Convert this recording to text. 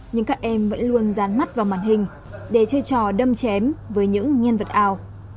nhưng các em vẫn luôn rán mắt vào màn hình để chơi trò đâm chém với những nhân vật ảo